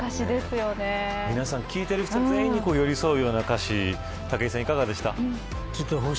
聴いてる人全員に寄り添うような歌詞武井さん、いかがでしたか。